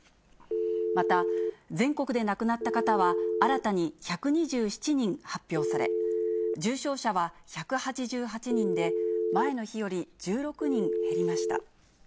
また、全国で亡くなった方は新たに１２７人発表され、重症者は１８８人で、前の日より１６人減りました。